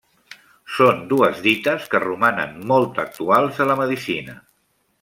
Són dues dites que romanen molt actuals a la medicina.